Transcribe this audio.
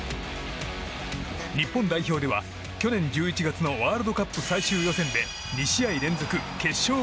日本代表では去年１１月のワールドカップ最終予選で２試合連続決勝